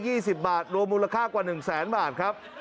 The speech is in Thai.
๕๐๐บาท๑๒๐บาทรวมมูลค่ากว่า๑๐๐๐๐๐บาทครับ